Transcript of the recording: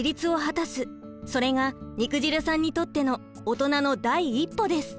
それが肉汁さんにとってのオトナの第一歩です。